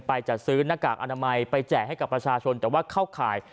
จัดซื้อหน้ากากอนามัยไปแจกให้กับประชาชนแต่ว่าเข้าข่าย